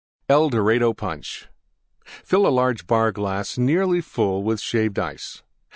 EL DORADO PUNCH Fill large Bar glass nearly full Shaved Ice.